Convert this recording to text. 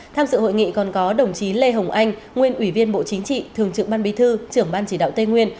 tham dự hội nghị còn có đồng chí lê hồng anh nguyên ủy viên bộ chính trị thường trực ban bí thư trưởng ban chỉ đạo tây nguyên